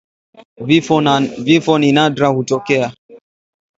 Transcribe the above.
Vifo ni nadra kutokea